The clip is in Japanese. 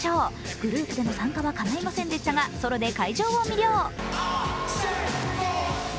グループでの参加はかないませんでしたが、ソロで会場を魅了。